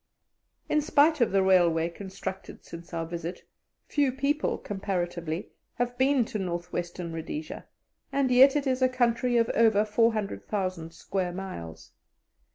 In spite of the railway constructed since our visit, few people, comparatively, have been to North Western Rhodesia, and yet it is a country of over 400,000 square miles.